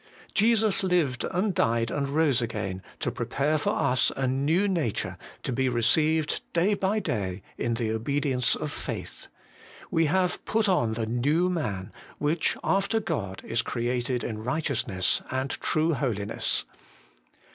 Jesus lived and died and rose again to prepare for us a new nature, to be received day by day in the obedience of faith : we ' have put on the 172 HOLY IN CHRIST. new man, which after God is created in righteous ness and true holiness.'